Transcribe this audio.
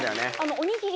おにぎり。